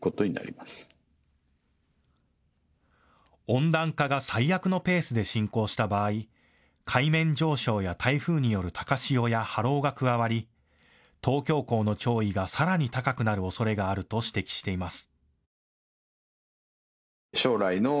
温暖化が最悪のペースで進行した場合、海面上昇や台風による高潮や波浪が加わり東京港の潮位がさらに高くなるおそれがあると指摘しています。